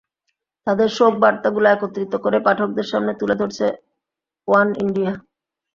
তাঁদের শোক বার্তাগুলো একত্রিত করে পাঠকদের সামনে তুলে ধরেছে ওয়ান ইন্ডিয়া।